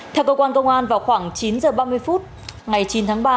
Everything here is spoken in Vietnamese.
theo cơ quan công an vào khoảng chín h ba mươi phút ngày chín tháng ba